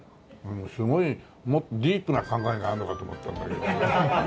すごいもっとディープな考えがあるのかと思ったんだけど。